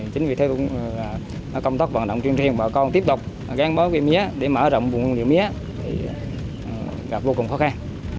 chính vì thế công tốc vận động tuyên truyền bà con tiếp tục gắn bó mía để mở rộng mía thì gặp vô cùng khó khăn